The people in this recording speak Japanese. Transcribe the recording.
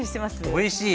おいしい！